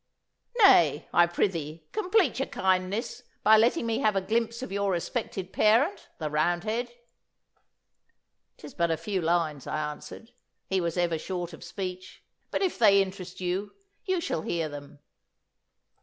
'Nay, I prythee, complete your kindness by letting me have a glimpse of your respected parent, the Roundhead.' ''Tis but a few lines,' I answered. 'He was ever short of speech. But if they interest you, you shall hear them.